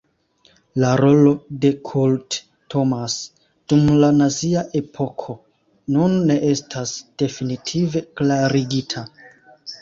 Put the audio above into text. La rolo de Kurt Thomas dum la nazia epoko nun ne estas definitive klarigita.